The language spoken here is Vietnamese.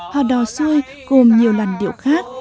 hò đò xuôi gồm nhiều làn điệu khác